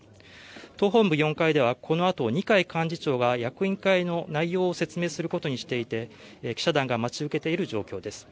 党本部４階ではこのあと二階幹事長が役員会の内容を説明することにしていて記者団が待ち受けている状況です。